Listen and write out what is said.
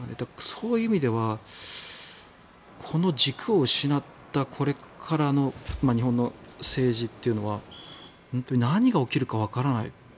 そういう意味ではこの軸を失った、これからの日本の政治っていうのは本当に何が起きるかわからない。